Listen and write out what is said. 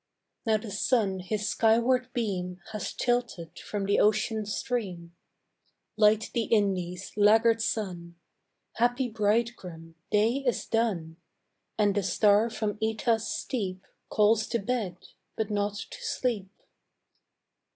Now the sun his skyward beam Has tilted from the Ocean stream. Light the Indies, laggard sun: Happy bridegroom, day is done, And the star from OEta's steep Calls to bed but not to sleep.